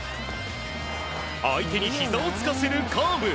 相手にひざをつかせるカーブ。